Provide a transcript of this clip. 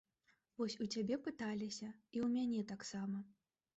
Вось у цябе пыталіся, і ў мяне таксама.